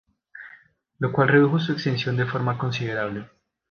Lo cual redujo su extensión de forma considerable.